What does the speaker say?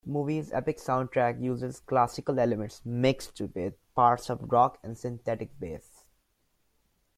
The movie's epic soundtrack uses classical elements mixed with parts of rock and synthetic bass.